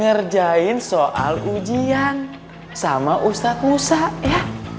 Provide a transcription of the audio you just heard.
ngerjain soal ujian sama ustadz lusa ya